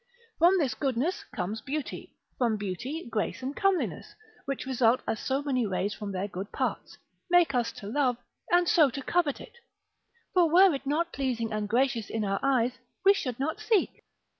From this goodness comes beauty; from beauty, grace, and comeliness, which result as so many rays from their good parts, make us to love, and so to covet it: for were it not pleasing and gracious in our eyes, we should not seek.